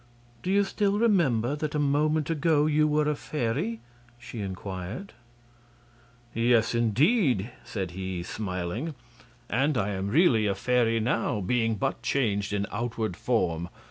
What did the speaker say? "Do you still remember that a moment ago you were a fairy?" she inquired. "Yes, indeed," said he, smiling; "and I am really a fairy now, being but changed in outward form.